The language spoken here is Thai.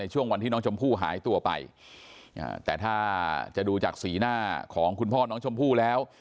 ช่วงวันที่น้องชมพู่หายตัวไปแต่ถ้าจะดูจากสีหน้าของคุณพ่อน้องชมพู่แล้ว